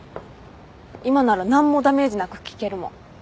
今なら何もダメージなく聞けるもん。